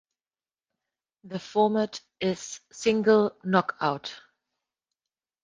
The format is single knockout.